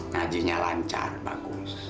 ngajinya lancar bagus